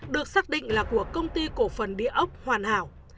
được xác định là của công ty cổ phần địa ốc hoàn hảo